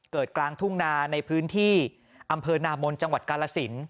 กลางทุ่งนาในพื้นที่อำเภอนามนจังหวัดกาลสิน